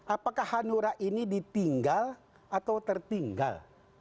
apakah hanura ini ditinggal atau tertinggal